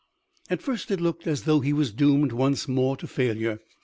At first it looked as though he was doomed once more to failure.